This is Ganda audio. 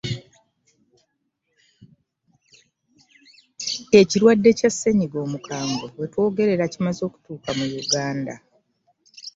Ekirwadde Kya Omukambwe wetwogerera kimaze okutuuka mu Uganda